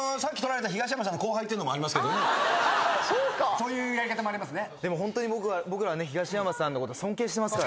そういうやり方もありますね。